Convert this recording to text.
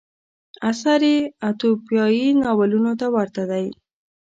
اثر یې اتوپیایي ناولونو ته ورته دی.